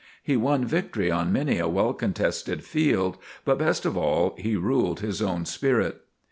He won victory on many a well contested field; but, best of all, he ruled his own spirit.